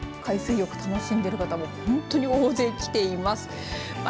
海水浴を楽しんでいる方も本当に大勢来ています。